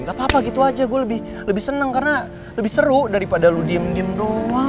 gak apa apa gitu aja gue lebih seneng karena lebih seru daripada lu diem diem doang